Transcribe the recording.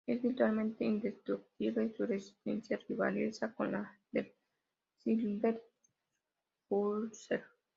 Es virtualmente indestructible y su resistencia rivaliza con la de Silver Surfer.